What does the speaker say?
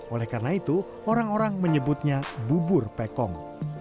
oleh karena itu orang orang menyebutnya bubur pekong